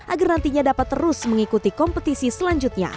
agar nantinya dapat terus mengikuti kompetisi selanjutnya